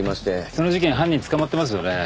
その事件犯人捕まってますよね？